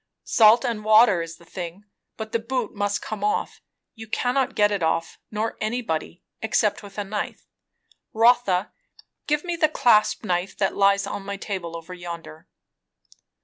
"Salt and water is the thing, but the boot must come off. You cannot get it off, nor anybody, except with a knife. Rotha, give me the clasp knife that lies on my table over yonder."